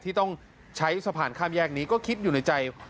ที่ต้องใช้สะพานข้ามแยกนี้ก็คิดอยู่ในใจ